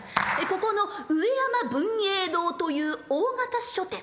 ここの上山文英堂という大型書店。